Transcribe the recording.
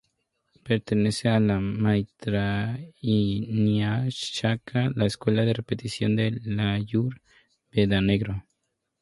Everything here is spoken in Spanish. Pertenece a la "maitraianíia-shakha", la escuela de repetición del "Iáyur-veda negro".